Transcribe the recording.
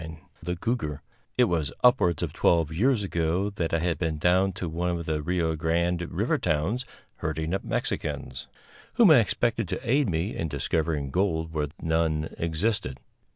_ The Cougar It was upwards of twelve years ago that I had been down to one of the Rio Grande River towns herding up Mexicans, whom I expected to aid me in discovering gold where none existed.